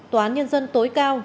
toán nhân dân tối cao